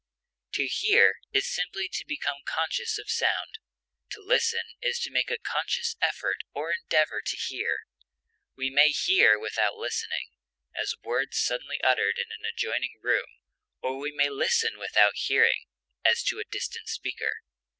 To hear is simply to become conscious of sound, to listen is to make a conscious effort or endeavor to hear. We may hear without listening, as words suddenly uttered in an adjoining room; or we may listen without hearing, as to a distant speaker.